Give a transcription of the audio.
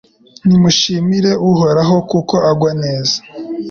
Nimushimire Uhoraho kuko agwa neza